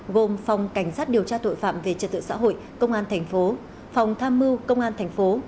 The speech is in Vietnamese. gồm phòng cảnh sát điều tra tội phạm về trật tự xã hội công an thành phố phòng tham mưu công an thành phố